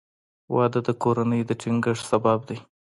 • واده د کورنۍ د ټینګښت سبب دی.